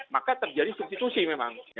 maka terjadi substitusi memang